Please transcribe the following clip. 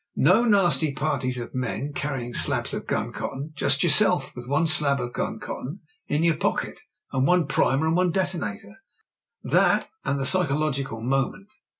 No nasty parties of men carrying slabs of gun cotton; just yourself — ^with one slab of gun cotton in your pocket and one primer and one detonator — ^that and the psychological moment.